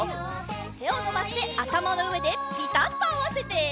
てをのばしてあたまのうえでピタッとあわせて。